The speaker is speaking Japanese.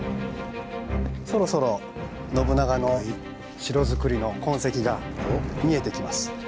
そろそろ信長の城づくりの痕跡が見えてきます。